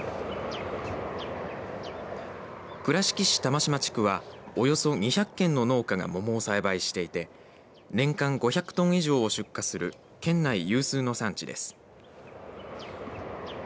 倉敷市玉島地区はおよそ２００軒の農家が桃を栽培していて年間５００トン以上を出荷する県内有数の産地です。